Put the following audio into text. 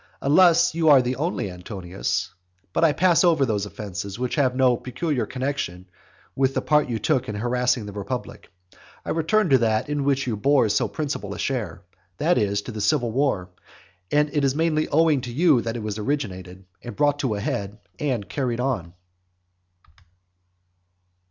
Unless you are the only Antonius. But I pass over those offences which have no peculiar connexion with the part you took in harassing the republic; I return to that in which you bore so principal a share, that is, to the civil war; and it is mainly owing to you that that was originated, and brought to a head, and carried on.